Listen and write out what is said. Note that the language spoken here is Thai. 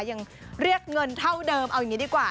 ยังเรียกเงินเท่าเดิมเอาอย่างนี้ดีกว่า